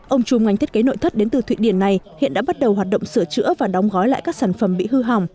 ông chung ngành thiết kế nội thất đến từ thụy điển này hiện đã bắt đầu hoạt động sửa chữa và đóng gói lại các sản phẩm bị hư hỏng